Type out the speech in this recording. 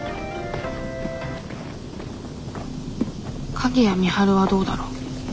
鍵谷美晴はどうだろう？